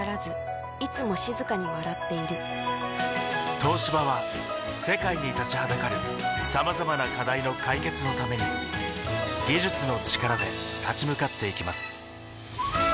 東芝は世界に立ちはだかるさまざまな課題の解決のために技術の力で立ち向かっていきます